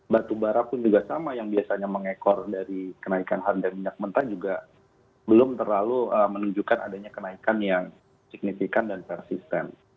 batu bara pun juga sama yang biasanya mengekor dari kenaikan harga minyak mentah juga belum terlalu menunjukkan adanya kenaikan yang signifikan dan persisten